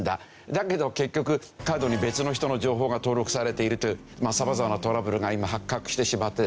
だけど結局カードに別の人の情報が登録されているという様々なトラブルが今発覚してしまってですね